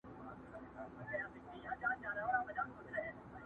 ده د لاس په پورته کولو سره سلام وکړ